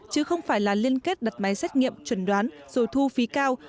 chứ không phải là liên kết đặt máy xét nghiệm chuẩn đoán rồi thu phí cao